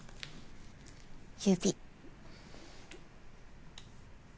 指。